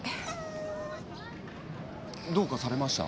どうかされました？